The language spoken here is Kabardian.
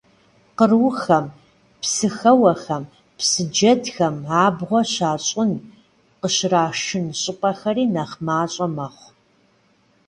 Кърухэм, псыхэуэхэм, псы джэдхэм абгъуэ щащӀын, къыщрашын щӀыпӀэхэри нэхъ мащӀэ мэхъу.